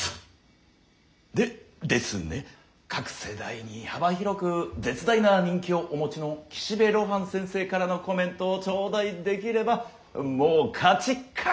でですね各世代に幅広く絶大な人気をお持ちの岸辺露伴先生からのコメントを頂戴できればもう勝ち確！